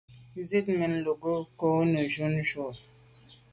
Zit mèn lo kô ne jun ju à.